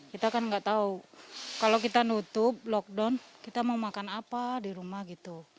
kita kan nggak tahu kalau kita nutup lockdown kita mau makan apa di rumah gitu